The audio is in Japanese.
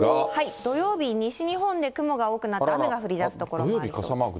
土曜日、西日本で雲が多くなって、雨が降りだすでしょう。